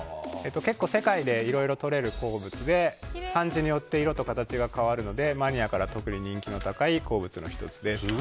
結構、世界でいろいろとれる鉱物で産地によって色と形が変わるのでマニアから特に人気の高い鉱物の１つです。